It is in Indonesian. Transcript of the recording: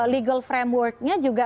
legal frameworknya juga